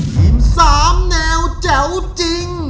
ทีม๓แนวแจ๋วจริง